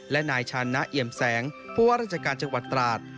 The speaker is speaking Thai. และนายชานะเอี่ยมแสงผู้ว่าราชการจังหวัดตราด